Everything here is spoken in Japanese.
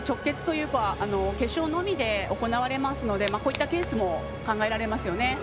決勝のみで行われますのでこういったケースも考えられますよね。